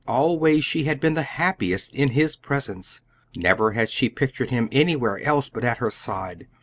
Always she had been the happiest in his presence; never had she pictured him anywhere else but at her side.